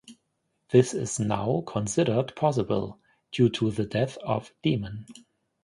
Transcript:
This is now considered possible due to the death of Demon.